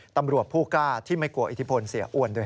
ตำรวจผู้กล้าที่ไม่กลัวอิทธิพลเสียอ้วนโดย